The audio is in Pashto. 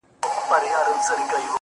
اصلاً دا له بنیاده غلطه خبره ده